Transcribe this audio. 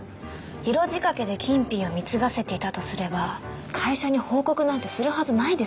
色仕掛けで金品を貢がせていたとすれば会社に報告なんてするはずないですよね？